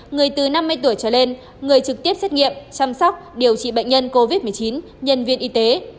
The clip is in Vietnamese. người từ năm mươi tuổi trở lên người trực tiếp xét nghiệm chăm sóc điều trị bệnh nhân covid một mươi chín nhân viên y tế